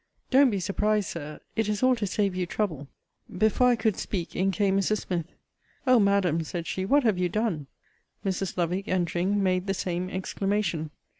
Don't be surprised, Sir it is all to save you trouble. Before I could speak, in came Mrs. Smith: O Madam, said she, what have you done? Mrs. Lovick, entering, made the same exclamation.